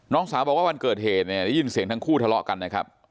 น้องสาวบอกว่าวันเกิดเหตุเนี่ยได้ยินเสียงทั้งคู่ทะเลาะกันนะครับ